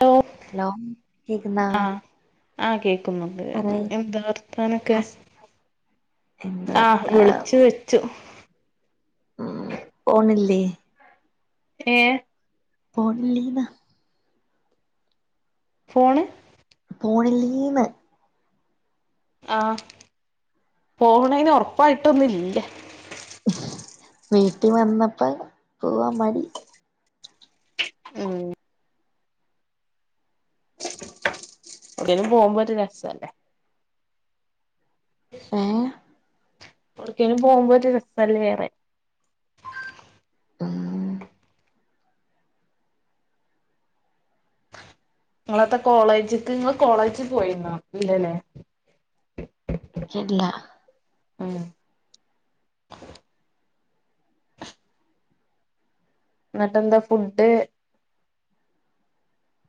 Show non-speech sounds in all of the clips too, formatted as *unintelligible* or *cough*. Hello hello കേക്കുന്നോ ആഹ് ആഹ് കേക്കുന്നുണ്ട് എന്താ വർത്താനൊക്കെ ഹസ് എന്ത് ആഹ് വർത്താ വിളിച്ചു വെച്ചു ഉം പോണില്ലേ ഏഹ് പോണില്ലേന്ന് ഫോണ് പോണില്ലീന്ന് ആഹ് പോവ്ണേന് ഒറപ്പായിട്ടൊന്നുല്ല വീട്ടി വന്നപ്പ പോവാ മടി ഉം എവുട്ക്കേലും പോകുമ്പ ഒരു രസാ ഏ എവ്‌ടക്കേലും പോകുമ്പ ഒര് രസല്ലേ ആഹ ഇങ്ങളെത്താ കോളേജ്ക്ക് ഇങ്ങള് കോളേജ് പോയിന്നൊ ഇല്ലലെ കേട്ടില്ല ആഹ് ഇന്നിട്ട് എന്താ ഫുഡ്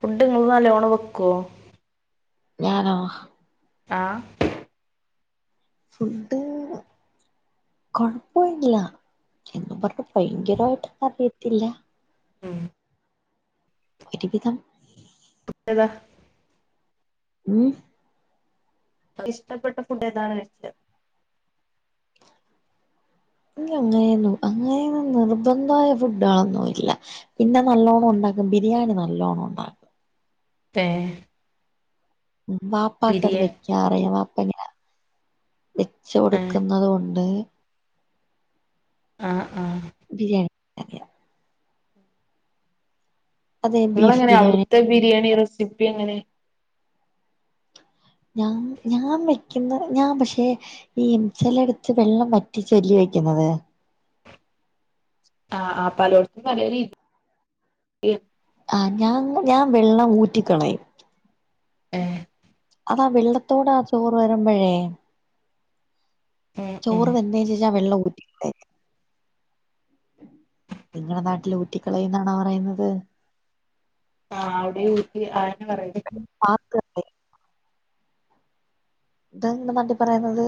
ഫുഡ് ഇങ്ങള് നല്ലോണം വെക്കോ ഞാനോ ആഹ് ഫുഡ്ഡ് കൊഴപ്പല്ല എന്ന് പറഞ്ഞ് ഭയങ്കരായിട്ട് അറിയത്തില്ല ഉം *unintelligible* *unintelligible* ഉം ങ്ങക്ക് ഇഷ്ടപ്പെട്ട ഫുഡേതാണ് ഇൻക്ക് അങ്ങനെന്നും അങ്ങനെന്നും നിർബന്ധായ ഫുഡാളൊന്നും ഇല്ല പിന്നെ നല്ലോണം ഒണ്ടാക്കും ബിരിയാണി നല്ലോണം ഒണ്ടാക്കും ഏഹ് ഉം വാപ്പാക്ക് അത് ബിരിയാണി വെയ്ക്കാറിയാ വാപ്പങ്ങനെ വെച്ച് ആഹ് കൊടുക്കുന്നത് കൊണ്ട് ആഹ് ആഹ് ബിരിയാണി അറിയാം അതെ ബീഫ് ഇങ്ങളെങ്ങനെ ബിരിയാണി അവുട്ത്തെ ബിരിയാണി റെസിപ്പി എങ്ങനെ ഞങ്ങ ഞാൻ വെയ്ക്കുന്ന ഞാൻ പക്ഷേ ഈ ചെലട്ത്ത് വെള്ളം വറ്റിച്ചല്ലെ വെയ്ക്കുന്നത് ആഹ് ആഹ് പലോടത്തും പല രീതി ആഹ് ഞാൻ ഞാൻ വെള്ളം ഊറ്റികളയും ഏഹ് അതാ വെള്ളത്തോടാ ചോറ് വരമ്പഴേ ഉം ഉം ചോറ് വെന്തതിന് ശേഷം ആ വെള്ളം ഊറ്റി നിങ്ങട നാട്ടില് ഊറ്റിക്കളയും എന്നാണോ പറയുന്നത് ആടി ഊറ്റി ആഹ് എന്ന് പറയും പാക്ക് എന്ത നിങ്ങട നാട്ടിൽ പറയുന്നത്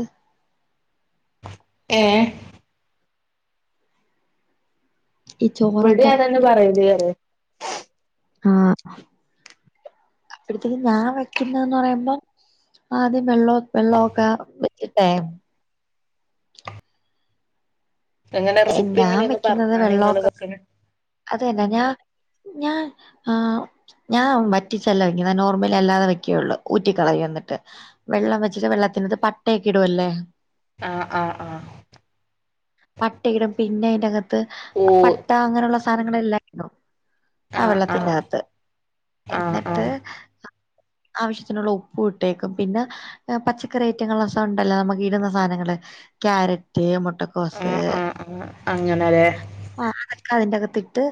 ഏഹ് ഈ ഇവിടെ ചോറൊക്ക അതന്നെ പറയല് പറയാ ആഹ് അപ്പഴത്തേനും ഞാൻ വെക്കുന്ന എന്ന് പറയുമ്പോ ആദ്യം വെള്ളോ വെള്ളം ഒക്ക വെച്ചിട്ടെ എങ്ങന ഏ, റെസിപ്പി ഞാൻ എങ്ങനെ എന്ന് പറഞ്ഞുതാ നിങ്ങള് വെക്കുന്നേ അതന്നെ ഞാ ഞാൻ ആഹ് ഞാൻ വറ്റിച്ചല്ല വെയ്ക്കുന്നേ നോർമലി അല്ലാതെ വെക്കയുള്ളൂ ഊറ്റി കളയും എന്നിട്ട് വെള്ളം വെച്ചിട്ട് വെള്ളത്തിലോട്ട് പട്ട ഒക്കെ ഇടുവല്ലേ ആഹ് ആഹ് ആഹ് പട്ടയിടും പിന്നെ അയിന്റെ അകത്ത് ഓ പട്ട അങ്ങനെ ഒള്ള സാ ധനങ്ങൾ എല്ലാം ഇടും ആ ആഹ് വെള്ളത്തിന്റെ ആഹ് അകത്ത് ആഹ് എന്നിട്ട് ആഹ് ആവശ്യത്തിന് ഉള്ള ഉപ്പും ഇട്ടേക്കും പിന്നെ പച്ചക്കറി ഐറ്റങ്ങൾ ഒണ്ടല്ലോ നമ്മക്ക് ഇടുന്ന സാധനങ്ങള് ക്യാരറ്റ് മുട്ട കൊ കോസ് ആഹ് ആഹ് ആഹ് അങ്ങനെല്ലേ ആഹ് അതൊക്കെ അതിന്റക ത്തിട്ട്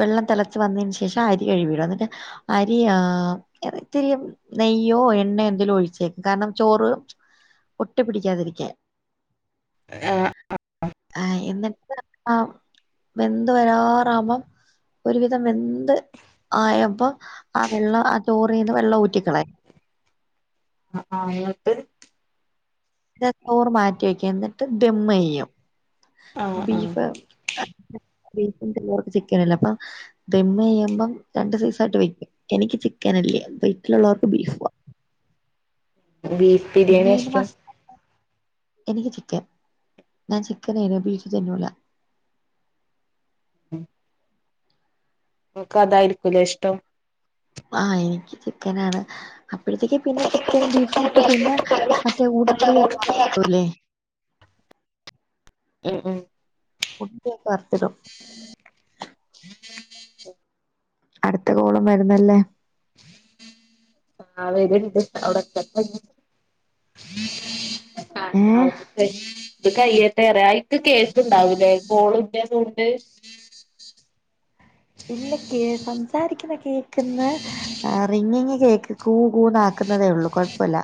വെള്ളം തെളച്ച് വന്നതിന് ശേഷം അരി കഴികി ഇടുക അന്നിട്ട് അരിയാ *unintelligible* നെയ്യോ എണ്ണയോ എന്തേലും ഒഴിച്ചേക്ക് കാരണം ചോറ് ഒട്ടി പിടിക്കാതെ ഇരിക്കാൻ ആഹ് ആഹ് എന്നിട്ട് ആ വെന്ത് വരാറാവുമ്പം ഒരുവിധം വെന്ത് ആയപ്പ ആ വെള്ളം ആ ചോറിന്ന് വെള്ളം ഊറ്റിക്കളയും ആഹ് എന്നിട്ട് ട്ട് ചോർ മാറ്റി വെയ്ക്കും എന്നിട്ട് ദെമ്മെയ്യും ആഹ് ആഹ് ബീഫ് *unintelligible* ചിക്കൻ അല്ലേ അപ്പൊ ദമ്മയ്യുമ്പം രണ്ട് സൈസ് ആയിട്ട് വെക്കും എനിക്ക് ചിക്കൻ ഇല്ലേ വീട്ടില് ഒള്ള അവർക്ക് ബീഫ് ബീഫ് പിന്നെ ബിരിയാണിയാ അയിന് ഇഷ്ടം മാസ് എനിക്ക് ചിക്കൻ ഞാൻ ചിക്കൻ *unintelligible* തിന്നൂല്ല ഓക്ക് അതായി ഇരിക്കൂലേ ഇഷ്ടം ആഹ് ഇൻക്ക് ചിക്കനാണ്. അപ്പഴത്തേക്ക് പിന്നെ ചിക്കൻ ബീഫുട്ട് പിന്നെ മറ്റേ ഉള്ളിയൊക്കെ *unintelligible* ഉം ഉം ഉള്ള്യൊക്കെ വർത്ത്ടും. ഉം അട്ത്ത കോളും വര്ന്നല്ല ആഹ് വെര്ണ്ട് അടെക്കെട്ടെ *unintelligible* ഏ ആരാണാവോ പ്പം ഇത് കയ്യട്ടേറ്യാ അയ്ക്ക് കേക്ക് ണ്ടാവുലേ കോള്ൻ്റെ സൗണ്ട് ഇല്ല കേ സംസാരിക്ക്ന്ന കേക്ക്ന്ന് ആഹ് റിങ്ങിങ്ങി കേക്ക് കൂ കൂ ന്നാക്ക്ന്നതേ ഒള്ളൂ കൊഴപ്പല്ല.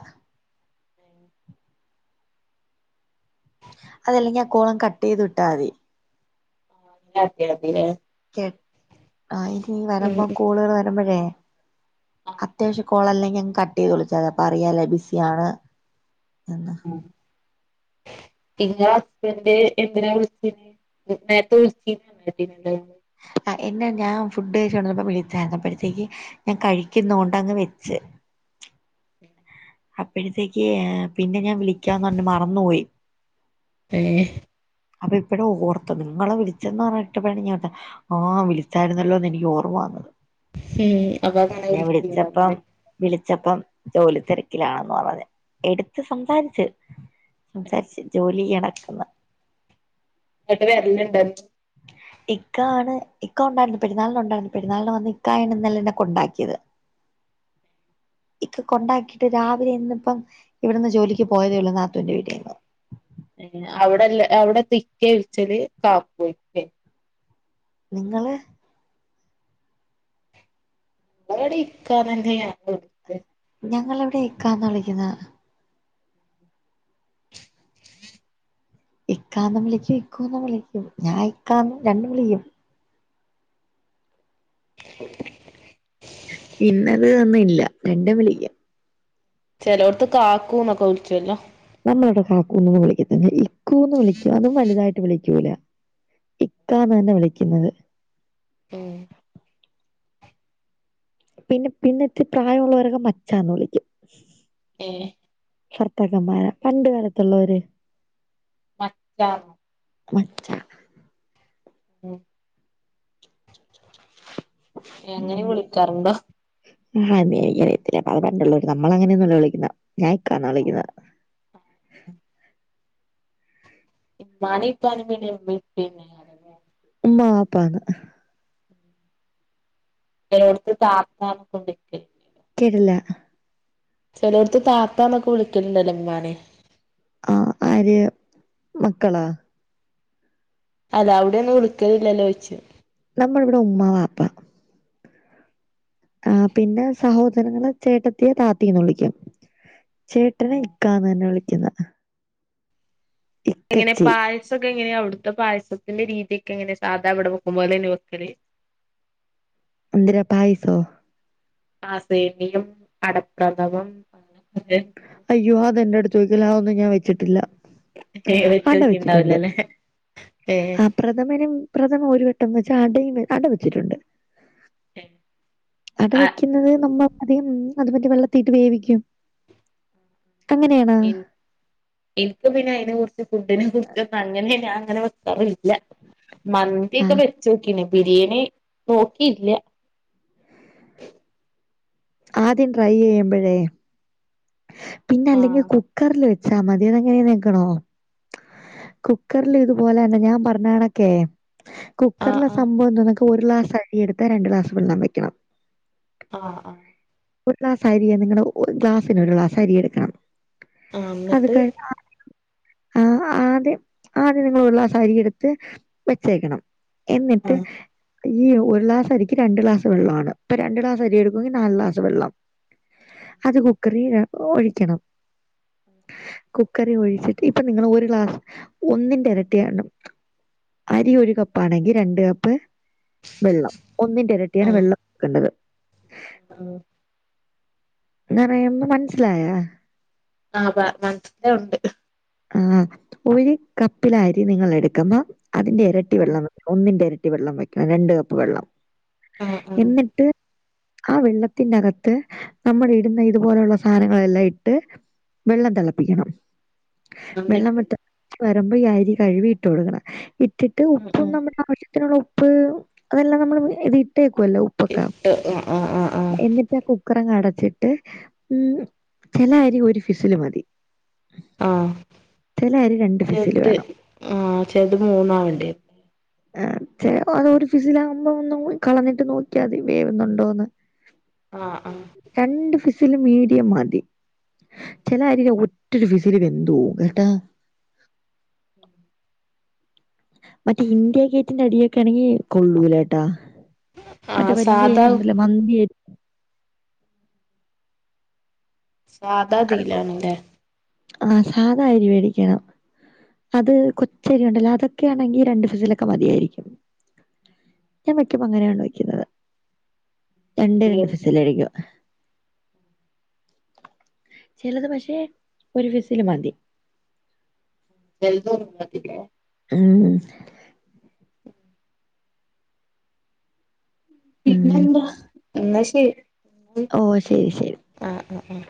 അതല്ലെങ്കി ആ കോളങ്ങ് കട്ടെയ്ത് വിട്ടാതി. *unintelligible* ഫ്രീയാണ്. ക്കെ ആഹ് ഇനി ഉം ഉം വരുമ്പം കോള് വരുമ്പഴേ ആഹ് ആഹ് അത്യാവശ്യ കോളല്ലെങ്കി അങ്ങ് കട്ടെയ്ത് വിളിച്ചാ മതി അപ്പറിയാലോ ബിസിയാണ് എന്ന് ഉം ഇങ്ങളെ ഹസ്ബന്റ് എന്തിനാ വിളിച്ചിര്ന്നെ നേരത്തെ വിളിച്ചിര് *unintelligible* ആഹ് എന്നെ ഞാൻ ഫുഡ് കഴ്ച്ചോണ്ടിര്ന്നപ്പോ വിളിച്ചായിര്ന്നു അപ്പഴത്തേക്ക് ഞാൻ കഴിക്കുന്നോണ്ടങ്ങ് വെച്ച് അപ്പഴത്തേക്ക് പിന്നെ ഞാൻ വിളിക്കാന്ന് പർഞ്ഞ് മറന്ന്പോയി. ഏഹ് അപ്പൊ ഇപ്പഴോ ഓർത്തത് ഇങ്ങളെ വിളിച്ചെന്ന് പറഞ്ഞിട്ട *unintelligible* ആഹ് വിളിച്ചായിര്ന്നല്ലോന്ന് എനിക്കോർമ്മ വന്നത്. ഉം അപ്പൊ അങ്ങനെ ഞാൻ വിളിച്ചപ്പം വിളിച്ചീണ്ടാവുല്ലേ വിളിച്ചപ്പം ജോലിത്തെര ക്കിലാണെന്ന് പറഞ്ഞെ എട്ത്ത് സംസാരിച്ച് സംസാരിച്ച് ജോലിയ്യണക്ക്ന്ന് ഇങ്ങട്ട് വെല്ര്ണ്ടോ? ഇക്കാണ് ഇക്ക ഒണ്ടായിര്ന്ന് പെര്ന്നാളിന് ഒണ്ടായിര്ന്ന് പെരുന്നാളിന് വന്ന് ഇക്കായാണ് ഇന്നലെന്നെ കൊണ്ടാക്കിയത്. ഇക്ക കൊണ്ടാക്കിയിട്ട് രാവിലെ ഇന്ന്പ്പം ഇവട്ന്ന് ജോലിക്ക് പോയതേ ഒള്ളൂ നാത്തൂന്റെ വീട്ടീന്ന് ഏഹ് അവ്ടെല്ല അവടെക്കിക്കെ വിളിച്ചല് കാക്കൂ *unintelligible* നിങ്ങളെ *unintelligible* ഇക്കാ ന്നെന്നെയാ *unintelligible* ഞങ്ങളിവ്ടെ ഇക്കാന്നാ വിളിക്ക്ന്നെ ഇക്കാന്നും വിളിക്കും ഇക്കുന്നും വിളിക്കും ഞാൻ ഇക്കാന്നും രണ്ടും വിളിക്കും. ഇന്നത് ഒന്നുല്ല രണ്ടും വിളിക്കും. ചെലോട്ത്ത് കാക്കൂന്നൊക്കെ വിൾച്ചൊല്ലോ നമ്മളവടെ കാക്കൂന്നൊന്നും വിളിക്കത്തില്ല ഇക്കൂന്ന് വിളിക്കും അതും വല്താ യിട്ട് വിളിക്കൂല ഇക്കാന്ന് തന്നെ വിളിക്ക്ന്നത്. ഉം പിന്നെ പിന്നെത്ത്രി പ്രായുള്ളവരൊക്കെ മച്ചാന്ന് വിളിക്കും. ഏഹ് ഫർത്തക്കൻമാരാ പണ്ട് കാലത്തൊള്ളവര് മച്ചാന്ന് മച്ചാ ഉം ഉം അങ്ങനെ വിളിക്കാറുണ്ടോ ആ *unintelligible* അത് പണ്ടുള്ളോര് നമ്മളങ്ങനെയൊന്നല്ല വിളിക്കുന്നെ ഞാ ഇക്കാന്നാ വിളിക്കുന്നേ ഇമ്മാനേം ഇപ്പാനേം പിന്നെ ഞാൻ വിളിച്ചേനേ ഉമ്മ വാപ്പാന്ന് *inaudible* ചെലോട്ത്ത് താത്തന്നൊക്കെ വിളിക്കല് കേട്ട്ല്ലാ ചെലോട്ത്ത് താത്താന്നൊക്കെ വിളിക്കലുണ്ടല്ലോ ഉമ്മാനെ ആ ആര് മക്കളോ അല്ല അവ്ടെ ഒന്നും വിളിക്കലില്ലല്ലോയ്ച്ച നമ്മള്വ്ടെ ഉമ്മാ വാപ്പ ആ പിന്നെ സഹോദരങ്ങളെ ചേട്ടത്തിയെ താത്തീന്ന് വിളിയ്ക്കും ചേട്ടനെ ഇക്കാന്ന് തന്നെ വിളിക്കുന്നേ എങ്ങനെ പായസൊക്കെ എങ്ങനെയാ അവ്ട്ത്തെ പായസത്തിന്റെ രീതിയൊക്കെ എങ്ങനെ സാധാവ്ടെ വെക്കും പോലന്നയാ വെക്കല് എന്തിരാ പായസോ ആ സേമിയും അടപ്രദമം *unintelligible* അയ്യോ അത് എന്റെ അടുത്ത് ചോയിക്കല്ലേ അതൊന്നും ഞാൻ വെച്ചിട്ടില്ല ഏ അട വെചോക്കിട്ട്ണ്ടാവ് ല വെച്ചിട്ടുണ്ട് ലേ ഏ ആ പ്രഥമനും പ്രഥമ ഒരു വട്ടം വെച്ചാ അടയും അട വെച്ചിട്ടുണ്ട് അട ആഹ് വെക്കുന്നത് നമ്മൾ അധികം അത് പറ്റേ വെള്ളത്തിട്ട് വേവിക്കും അങ്ങനെയാണോ എനിക്ക് എനിക്കും പിന്നെ അയ്നെ കുർച്ച് ഫുഡിനെ കുർച്ചൊന്നും അങ്ങനെ ഞാൻ അങ്ങനെവെ ഇല്ല ആ മന്തിയൊക്കെ വെച്ചോക്കീന് ബിരിയാണി നോക്കിയില്ല്യ ആദ്യം ട്രൈ ചെയ്യുമ്പഴേ പിന്നെ അല്ലെങ്കി ആഹ് കുക്കർല് വെച്ചാ മതി അത് എങ്ങനെയ ന്നെക്കണോ കുക്കർല് ഇതുപോലെന്നെ ഞാൻ പർഞ്ഞ കണക്കെ കുക്കർലെ ആഹ് സംഭവം എന്തന്നക്ക് ഒരു ഗ്ലാസ് അരിയടുത്താ രണ്ട് ഗ്ലാസ് വെള്ളം വെക്കണം ആഹ ആഹ് ഒരു ഗ്ലാസ് അരിയണെങ്കി നിങ്ങളുടെ ഗ്ലാസിന് ഒരു ഗ്ലാസ് അരിയ എടുക്കണം ആഹ് അത് എന്നിട്ട് കയ് ആ ആദ്യം ആദ്യം നിങ്ങള് ഒരു ക്ലാസ്സ്‌ അരി എടുത്ത് വെച്ചേക്കണം എന്നിട്ട് ആഹ് ഈ ഒരു ഗ്ലാസ് അരിക്ക് രണ്ട് ഗ്ലാസ് വെള്ളമാണ് ഇപ്പ രണ്ട് ഗ്ലാസ് അരി എടുക്കെങ്കിൽ നാല് ഗ്ലാസ് വെള്ളം അത് കുക്കറി ഒഴിക്കണം കുക്കറി ഒഴിച്ചിട്ട് ഇപ്പൊ നിങ്ങള് ഒരു ഗ്ലാസ് ഒന്നിന്റെ ഇരട്ടിയാണം അരി ഒരു കപ്പാണെങ്കി രണ്ട കപ്പ് വെള്ളം ഒന്നിന്റെ ഇരട്ടിയാണ് വെള്ളം എടുക്കേണ്ടത് ഉം പറയുമ്പ മൻസ്സിലായാ ആ പ മൻസ്സിലാവുണ്ട് ആ ഒരു കപ്പില് അരി നിങ്ങള് എടുക്കുമ്പം അതിന്റെ എരട്ടി ആഹ് വെള്ളം വെ ഒന്നിന്റെ എരട്ടി വെള്ളം വെക്കണം രണ്ട് കപ്പ് വെള്ളം ആഹ് ആഹ് എന്നിട്ട് ആ വെള്ളത്തിന്റെകത്ത് നമ്മുള് ഇടുന്ന ഇതുപോലെയുള്ള സാധനങ്ങളെല്ലാം ഇട്ട് വെള്ളം തിളപ്പിക്കണം വെള്ളം എന്നിട്ട് വ്ട്ട് വരുമ്പോ ഈ അരി കഴ് വി ഇട്ട് കൊടുക്കണം ഇട്ടിട്ട് ഉം ഉപ്പും ഉം നമ്മുടെ ആവ്ശ്യ ചിക്കനുള്ള ഉപ്പ് അതെല്ലാം നമ്മള് ഇത് ഇട്ടേക്കുവല്ലോ ഉപ്പൊക്കാ ഇട്ട് ആഹ് ആഹ് ആഹ് ആഹ് എന്നിട്ടാ കുപ് ഉക്കറങ്ങ അടച്ചിട്ട് ഉം ചില അരി ഒരു ഫിസില് മതി ആഹ ചില അരി രണ്ട് ഫിസില് ചെലത് വേണം. ആഹ ചെല്ത് മൂന്നാവണ്ടി വെ അ അതോ ഒരു ഫിസിലാകുമ്പോ ഒന്നും കളഞ്ഞിട്ട് നോക്കിയാതി വേവുന്നുണ്ടോന്ന് ആ ആ രണ്ട് ഫിസില് മീഡിയം മതി ചെല അരി ഒറ്റൊരു വിസിൽ വെന്ത്‌ പോവും കേട്ടാ *inaudible* മറ്റേ ഇന്ത്യ ഗേറ്റിന്റെ അരിയൊക്കെ ആണെങ്കിൽ കൊള്ളൂലേട്ടാ മറ്റേ ആഹ് വലിയ സാധാ എന്തല്ല മന്തി സാധാതിലാണ്ല്ല ആ സാധാ അരി വെടിക്കണം അത് കൊച്ചരി ഉണ്ടല്ലോ അതൊക്കൊണെങ്കിൽ രണ്ടു ഫിസിലൊക്കെ മതിയായിരിക്കും ഞാൻ മറ്റേ വെക്കുന്നത് രണ്ടെരണ്ട് ഫിസൽഅടിക്ക ചിലത് പക്ഷെ ഒരു വിസില് മതി ചെലത് ഒറങ്ങാതില്ലേ ആഹ് പിന്നെ ഉം എന്താ എന്നാ ശരി ഓ ശരി ശരി ആഹ ആഹ് ആഹ